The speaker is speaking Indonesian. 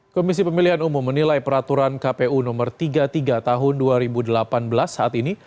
komisi pemilihan umum menilai peraturan kpu nomor tiga puluh tiga tahun dua ribu delapan belas saat ini